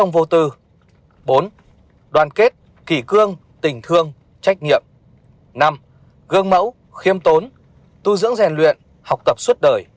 bao gồm sáu điều